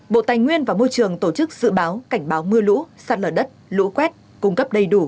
bộ tài nguyên và môi trường tổ chức dự báo cảnh báo mưa lũ sạt lở đất lũ quét cung cấp đầy đủ